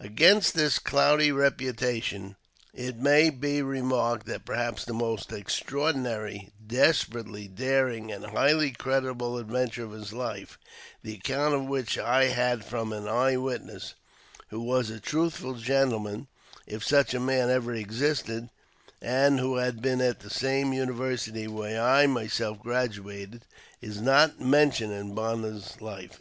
Against this cloudy reputation it may be remarked that perhaps the most extraordinary, desperately daring, and highly creditable adventure of his life, the account of which I had from an eye witness who was a truthful gentleman, if such a man ever existed, and who had been at the same university where I myself graduated — is 7iot mentioned in Bonner's life.